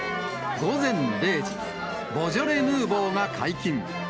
午前０時、ボジョレ・ヌーボーが解禁。